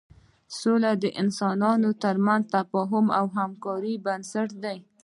سوله د انسانانو تر منځ د تفاهم او همکاریو بنسټ دی.